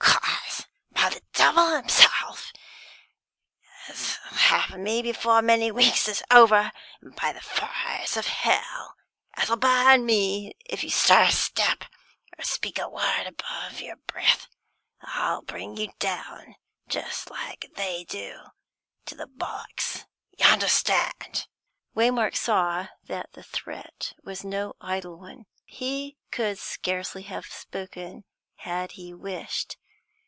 "'Cos, by the devil himself, as 'll have me before many weeks is over, and by the fires of hell, as 'll burn me, if you stir a step, or speak a word above your breath, I'll bring you down just like they do the bullocks. Y' understand!" Waymark saw that the threat was no idle one. He could scarcely have spoken, had he wished.